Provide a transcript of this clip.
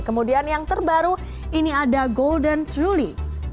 kemudian yang terbaru ini ada golden truly